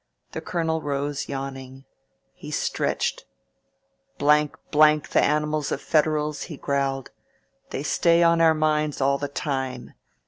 The colonel rose, yawn ing. He stretched. " the animals of Federals!" he growled. "They stay on our minds all the time.